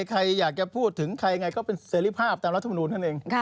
ใครอยากจะพูดถึงใครอย่างไรก็เป็นเศรษฐภาพตามรัฐบาลนูนทั่นเอง